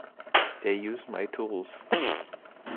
They use my tools.